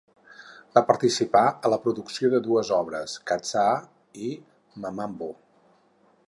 Va participar a la producció de dues obres, "Katshaa" i "Mavambo".